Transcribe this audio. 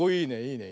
いいね。